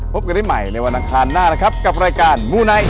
พบกันได้ใหม่ในวันอังคารหน้านะครับกับรายการมูไนท์